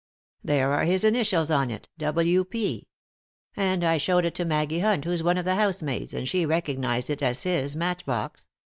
" There are his initials on it — W. P. And I showed it to Maggie Hunt, who's one of the housemaids, and she recognised it as his matchbox.